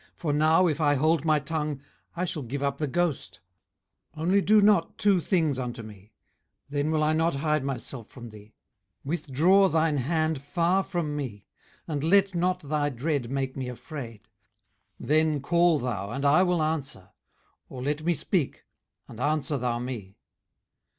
for now, if I hold my tongue, I shall give up the ghost. 18:013:020 Only do not two things unto me: then will I not hide myself from thee. 18:013:021 Withdraw thine hand far from me: and let not thy dread make me afraid. 18:013:022 Then call thou, and I will answer: or let me speak, and answer thou me.